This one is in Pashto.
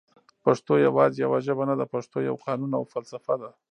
پښتو یواځي یوه ژبه نده پښتو یو قانون او فلسفه ده